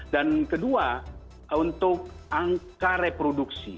dan kedua untuk angka reproduksi